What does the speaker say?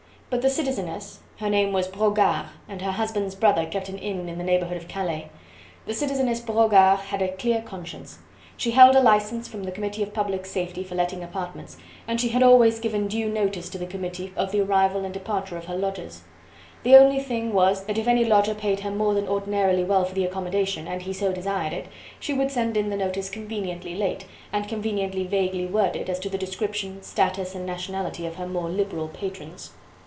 But the Citizeness her name was Brogard and her husband's brother kept an inn in the neighbourhood of Calais the Citizeness Brogard had a clear conscience. She held a license from the Committee of Public Safety for letting apartments, and she had always given due notice to the Committee of the arrival and departure of her lodgers. The only thing was that if any lodger paid her more than ordinarily well for the accommodation and he so desired it, she would send in the notice conveniently late, and conveniently vaguely worded as to the description, status and nationality of her more liberal patrons.